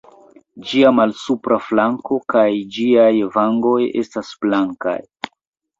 Ĝia malsupra flanko kaj ĝiaj vangoj estas blankaj.